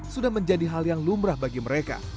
sudah menjadi hal yang lumrah bagi mereka